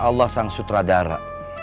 allah sang sutradara